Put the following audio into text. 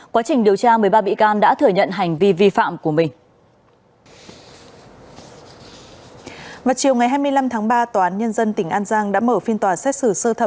quá trình điều tra một mươi ba bị can đã thừa nhận hành vi vi phạm của mình